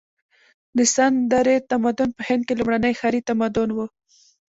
د سند درې تمدن په هند کې لومړنی ښاري تمدن و.